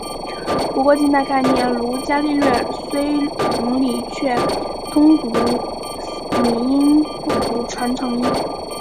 不过近代概念如伽利略虽同理却统读拟音不读传承音。